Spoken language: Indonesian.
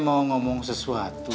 terima kasih banyak